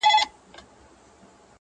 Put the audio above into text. زه چي له خزان سره ژړېږم ته به نه ژاړې-